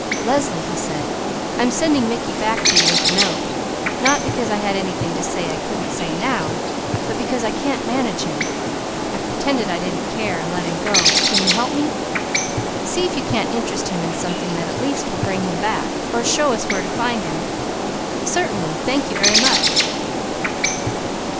"Leslie!" he said, "I'm sending Mickey back to you with a note, not because I had anything to say I couldn't say now, but because I can't manage him. I pretended I didn't care, and let him go. Can't you help me? See if you can't interest him in something that at least will bring him back, or show us where to find him. Certainly! Thank you very much!"